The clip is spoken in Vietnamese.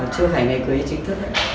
chưa phải ngày cưới chính thức ấy